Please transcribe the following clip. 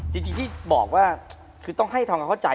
จริงที่บอกว่าคือต้องให้ทำความเข้าใจ